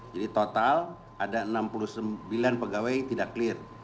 jadi total ada enam puluh sembilan pegawai tidak clear